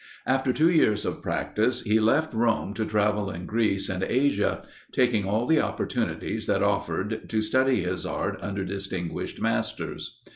After two years of practice he left Rome to travel in Greece and Asia, taking all the opportunities that offered to study his art under distinguished masters.